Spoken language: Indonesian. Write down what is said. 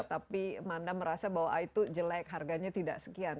tapi manda merasa bahwa itu jelek harganya tidak sekian